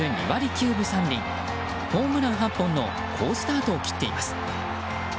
９分３厘ホームラン８本の好スタートを切っています。